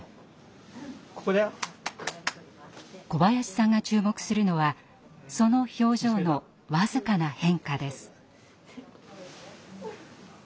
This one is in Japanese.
小林さんが注目するのはその表情の僅かな変化です。